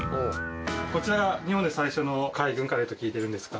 こちら日本で最初の海軍カレーと聞いてるんですが。